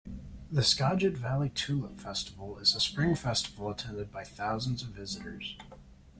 The Skagit Valley Tulip Festival is a spring festival attended by thousands of visitors.